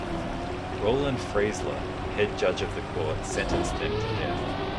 Roland Freisler, head judge of the court, sentenced them to death.